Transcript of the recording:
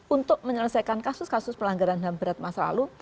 untuk menyelesaikan kasus kasus pelanggaran ham berat masa lalu